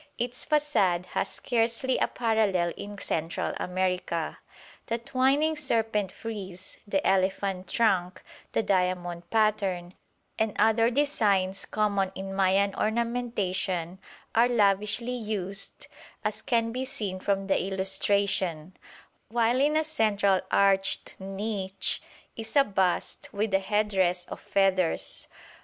Its façade has scarcely a parallel in Central America. The twining serpent frieze, the "elephant trunk," the diamond pattern, and other designs common in Mayan ornamentation are lavishly used, as can be seen from the illustration, while in a central arched niche is a bust with a headdress of feathers.